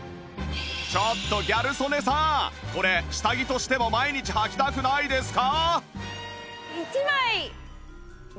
ちょっとギャル曽根さんこれ下着としても毎日はきたくないですか？